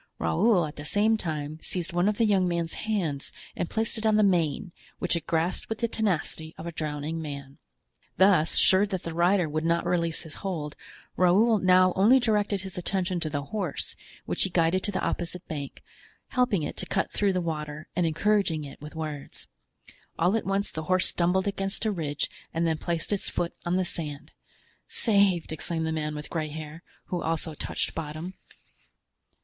Raoul at the same time seized one of the young man's hands and placed it on the mane, which it grasped with the tenacity of a drowning man. Thus, sure that the rider would not release his hold, Raoul now only directed his attention to the horse, which he guided to the opposite bank, helping it to cut through the water and encouraging it with words. All at once the horse stumbled against a ridge and then placed its foot on the sand. "Saved!" exclaimed the man with gray hair, who also touched bottom.